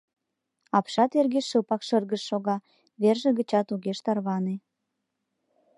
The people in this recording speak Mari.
Апшат эрге шыпак шыргыж шога, верже гычат огеш тарване.